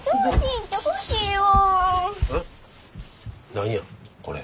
何やこれ？